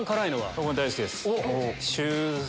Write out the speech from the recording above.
僕も大好きです。